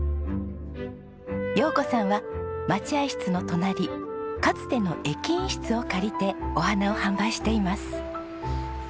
陽子さんは待合室の隣かつての駅員室を借りてお花を販売しています。